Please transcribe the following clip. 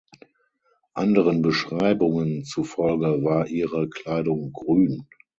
Anderen Beschreibungen zu Folge war ihre Kleidung grün.